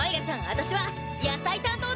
私は野菜担当だぞ！